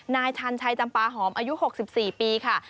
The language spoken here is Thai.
นายชันชัยจำปาหอมอายุ๖๔ปีค่ะ